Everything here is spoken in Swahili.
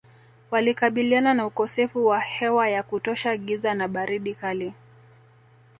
Walikabiliana na ukosefu wa hewa ya kutosha giza na baridi kali